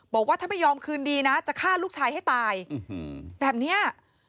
บอกว่าถ้าไม่ยอมคืนดีนะจะฆ่าลูกชายให้ตายแบบนี้